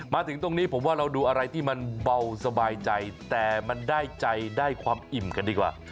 มาถึงตรงนี้ผมว่าเราดูอะไรที่มันเบาสบายใจแต่มันได้ใจได้ความอิ่มกันดีกว่า